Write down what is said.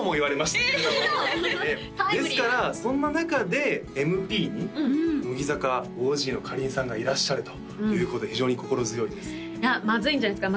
タイムリーですからそんな中でＭＰに乃木坂ＯＧのかりんさんがいらっしゃるということで非常に心強いですいやまずいんじゃないですか？